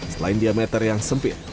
selain diameter yang sempit